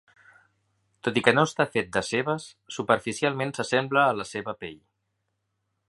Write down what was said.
Tot i que no està fet de cebes, superficialment s'assembla a la seva pell.